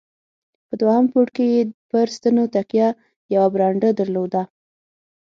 په دوهم پوړ کې یې پر ستنو تکیه، یوه برنډه درلوده.